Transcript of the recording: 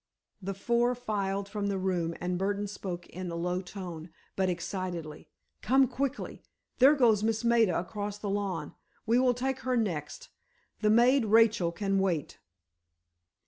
The four filed from the room, and Burdon spoke in a low tone, but excitedly: "Come quickly! There goes Miss Maida across the lawn. We will take her next. The maid, Rachel, can wait."